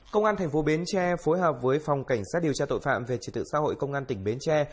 công an thành phố bến tre phối hợp với phòng cảnh sát điều tra tội phạm về trị tự xã hội công an tỉnh bến tre